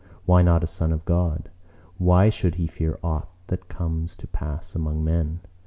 Why not a son of God? Why should he fear aught that comes to pass among men?